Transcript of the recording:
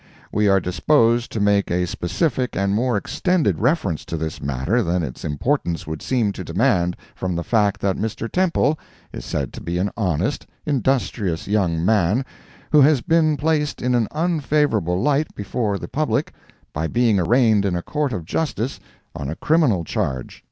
We are disposed to make a specific and more extended reference to this matter than its importance would seem to demand, from the fact that Mr. Temple is said to be an honest, industrious young man, who has been placed in an unfavorable light before the public by being arraigned in a Court of Justice on a criminal charge.